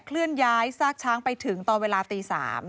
เลื่อนย้ายซากช้างไปถึงตอนเวลาตี๓